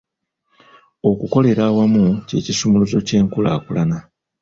Okukolera awamu kye kisumuluzo ky'enkulaakulana.